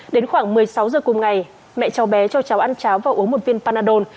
đến khoảng một mươi sáu giờ cùng ngày mẹ cháu bé cho cháu ăn cháo và uống một viên panadon